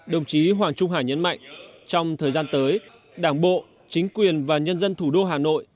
đồng chí hoàng trung hải nhấn mạnh trong thời gian tới đảng bộ chính quyền và nhân dân thủ đô hà nội